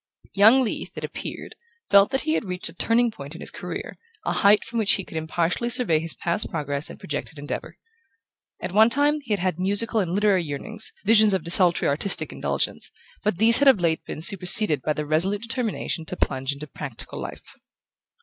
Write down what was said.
Young Leath, it appeared, felt that he had reached a turning point in his career, a height from which he could impartially survey his past progress and projected endeavour. At one time he had had musical and literary yearnings, visions of desultory artistic indulgence; but these had of late been superseded by the resolute determination to plunge into practical life.